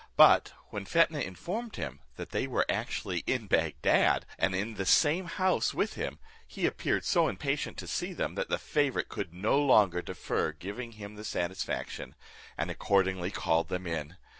But when Fetnah informed him, that they were actually in Bagdad, and in the same house with him, he appeared so impatient to see them, that the favourite could no longer defer giving him the satisfaction; and accordingly called them in.